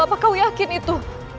apakah kau yakin itu